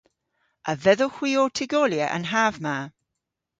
A vedhowgh hwi ow tygolya an hav ma?